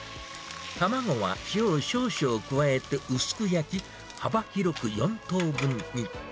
卵は塩を少々加えて薄く焼き、幅広く４等分に。